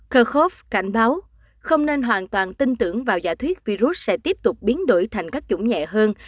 kurkhovf cảnh báo không nên hoàn toàn tin tưởng vào giả thuyết virus sẽ tiếp tục biến đổi thành các chủng nhẹ hơn